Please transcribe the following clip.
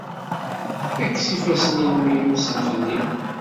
Kkes ifassen-nnem yumsen fell-i!